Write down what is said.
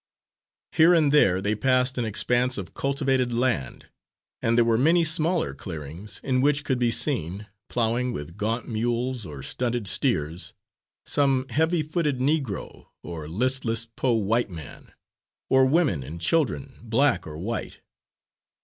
Here and there they passed an expanse of cultivated land, and there were many smaller clearings in which could be seen, plowing with gaunt mules or stunted steers, some heavy footed Negro or listless "po' white man;" or women and children, black or white.